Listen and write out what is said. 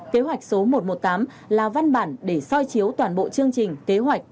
kế hoạch số một trăm một mươi tám là văn bản để soi chiếu toàn bộ chương trình kế hoạch